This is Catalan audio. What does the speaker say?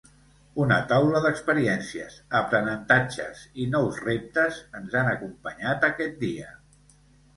Una taula d’experiències, aprenentatges i nous reptes ens han acompanyat aquest dia.